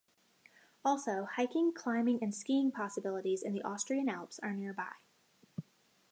Also hiking, climbing and skiing possibilities in the Austrian Alps are nearby.